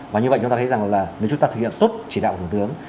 và như vậy chúng ta thấy rằng là nếu chúng ta thực hiện tốt chỉ đạo của thủ tướng